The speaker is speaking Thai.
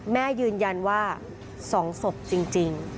แม่ยืนยันว่า๒ศพจริง